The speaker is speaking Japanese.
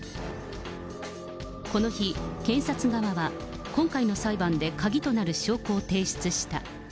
この日、検察側は、今回の裁判で鍵となる証拠を提出した。